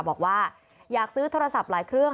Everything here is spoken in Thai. บอกว่าอยากซื้อโทรศัพท์หลายเครื่อง